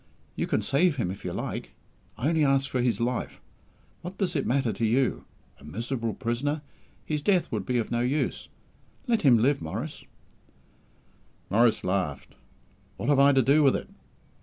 You can save him if you like. I only ask for his life. What does it matter to you? A miserable prisoner his death would be of no use. Let him live, Maurice." Maurice laughed. "What have I to do with it?"